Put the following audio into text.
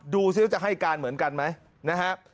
ดูสิว่าจะให้การเหมือนกันไหมนะฮะ